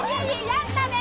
やったで！